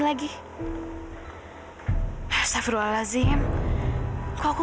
lebih banyak nunggu nunggu